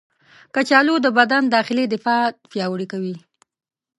کچالو د بدن داخلي دفاع پیاوړې کوي.